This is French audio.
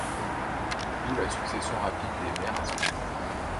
D'où la succession rapide des maires à ce moment.